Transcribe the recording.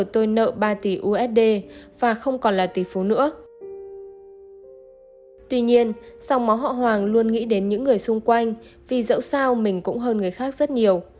tuy nhiên sau đó họ hoàng luôn nghĩ đến những người xung quanh vì dẫu sao mình cũng hơn người khác rất nhiều